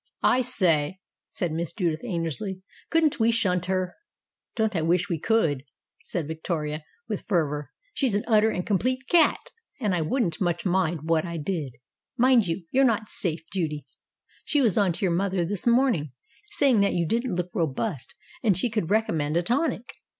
"I say," said Miss Judith Annersley, "couldn't we shunt her?" "Don't I wish we could!" said Victoria, with fer vor. "She's an utter and complete cat, and I wouldn't much mind what I did. Mind you, you're not safe, Judy. She was on to your mother this morning, say ing that you didn't look robust, and she could recom mend a tonic.